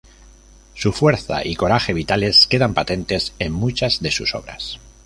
Su fuerza y coraje vitales quedan patentes en muchas de sus obras.